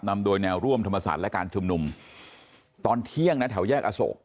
นำโดยแนวร่วมธรรมศาสตร์และการชุมนุมตอนเที่ยงนะแถวแยกอโศก